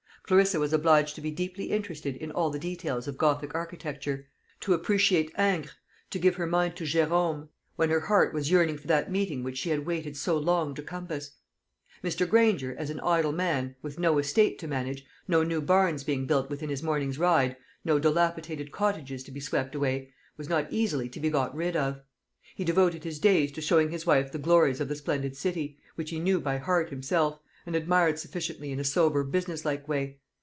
Clarissa was obliged to be deeply interested in all the details of Gothic architecture to appreciate Ingres, to give her mind to Gérome when her heart was yearning for that meeting which she had waited so long to compass. Mr. Granger, as an idle man, with no estate to manage no new barns being built within his morning's ride no dilapidated cottages to be swept away was not easily to be got rid of. He devoted his days to showing his wife the glories of the splendid city, which he knew by heart himself, and admired sufficiently in a sober business like way.